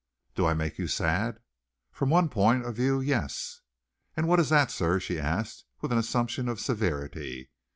"Do I make you sad?" "From one point of view, yes." "And what is that, sir?" she asked with an assumption of severity.